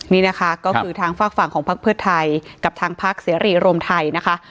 นี่นะคะก็คือทางฝากฝั่งของพักเพื่อไทยกับทางพักเสรีรวมไทยนะคะ